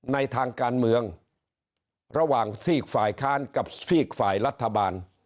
ในทางการเมืองระหว่างซีกฝ่ายค้านกับซีกฝ่ายรัฐบาล